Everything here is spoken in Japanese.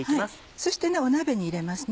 そして鍋に入れますね。